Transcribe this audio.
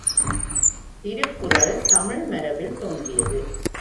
திக்குறள் தமிழ் மரபில் தோன்றியது.